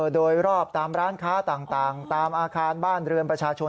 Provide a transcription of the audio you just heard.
โดยรอบตามร้านค้าต่างตามอาคารบ้านเรือนประชาชน